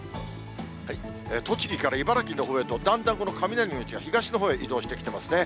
栃木から茨城のほうへと、だんだんこの雷の道が東の方へ移動してきてますね。